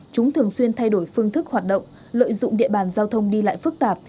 chúng thường xuyên thay đổi phương thức hoạt động lợi dụng địa bàn giao thông đi lại phức tạp